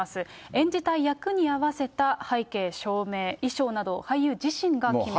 演じたい役に合わせた背景、照明、衣装などを俳優自身が決めると。